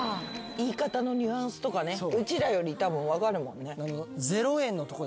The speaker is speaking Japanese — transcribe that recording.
言い方のニュアンスとかねうちらよりたぶん分かるもんね。